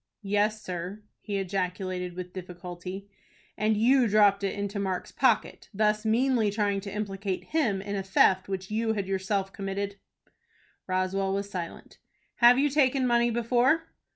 "Yes, sir," he ejaculated, with difficulty. "And you dropped it into Mark's pocket, thus meanly trying to implicate him in a theft which you had yourself committed." Roswell was silent. "Have you taken money before?"